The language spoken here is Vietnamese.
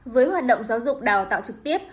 với hoạt động giáo dục đào tạo trực tiếp